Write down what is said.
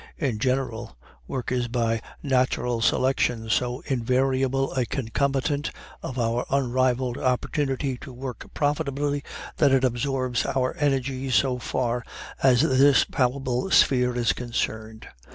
In general, work is by natural selection so invariable a concomitant of our unrivaled opportunity to work profitably, that it absorbs our energies so far as this palpable sphere is concerned.